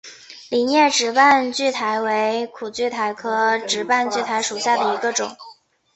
菱叶直瓣苣苔为苦苣苔科直瓣苣苔属下的一个种。